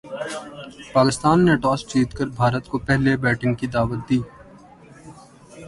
پاکستان نے ٹاس جیت کر بھارت کو پہلے بیٹنگ کی دعوت دی۔